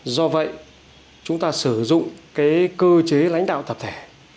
do vậy chúng ta sử dụng cơ chế lãnh đạo tập thể